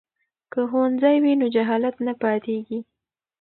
که ښوونځی وي نو جهالت نه پاتیږي.